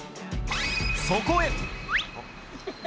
そこへ。